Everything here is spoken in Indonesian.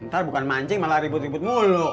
gak ada yang ribut ribut mulu